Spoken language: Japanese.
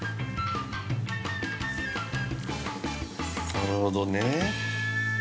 なるほどね。